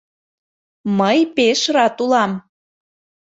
— Мый пеш рат улам.